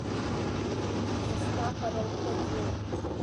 Мызкы аҟара лхыҵуеит…